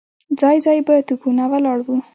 ځای ځای به توپونه ولاړ وو.